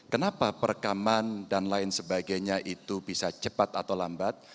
kenapa perekaman dan lain sebagainya itu bisa cepat atau lambat